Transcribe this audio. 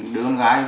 đứa con gái